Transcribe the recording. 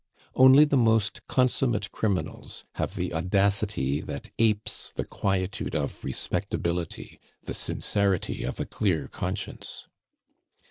Only the most consummate criminals have the audacity that apes the quietude of respectability, the sincerity of a clear conscience.